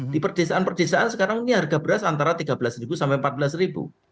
di perdesaan perdesaan sekarang ini harga beras antara rp tiga belas sampai rp empat belas